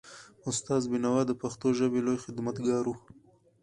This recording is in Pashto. استاد بینوا د پښتو ژبې لوی خدمتګار و.